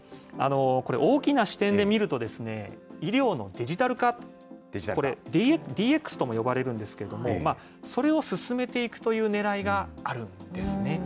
これ、大きな視点で見るとですね、医療のデジタル化、これ、ＤＸとも呼ばれるんですけれども、それを進めていくというねらいがあるんですね。